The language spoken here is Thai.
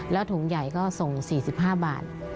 แล้วถุงใหญ่ก็ส่ง๔๕บาท